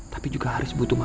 tapi juga haris butuh mama